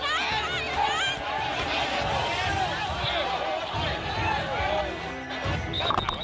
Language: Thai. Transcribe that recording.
เขาสอนนี้ตรรวจประหลอง